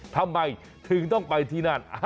ทำไมถึงต้องไปที่นั่น